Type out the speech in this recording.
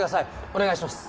お願いします